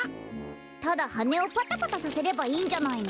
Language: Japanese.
ただはねをパタパタさせればいいんじゃないの？